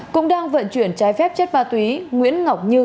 cũng đang vận chuyển trái phép chất ma túy nguyễn ngọc như